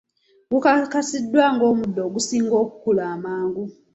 Gukakasiddwa ng'omuddo ogusinga okukula amangu.